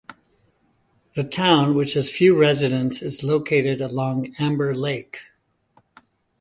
The town, which has few residents, is located along Amber Lake.